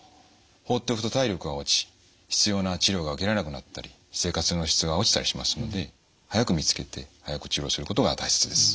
放っておくと体力が落ち必要な治療が受けられなくなったり生活の質が落ちたりしますので早く見つけて早く治療することが大切です。